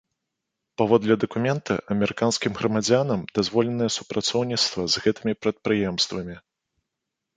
Паводле дакумента, амерыканскім грамадзянам дазволена супрацоўніцтва з гэтымі прадпрыемствамі.